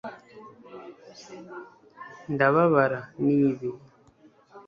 ndababara nibi ..